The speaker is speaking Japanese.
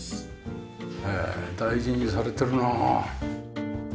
へえ大事にされてるなあ。